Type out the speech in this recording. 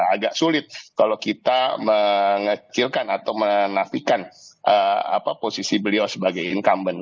agak sulit kalau kita mengecilkan atau menafikan posisi beliau sebagai incumbent